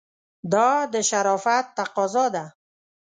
دا د شرافت تقاضا ده.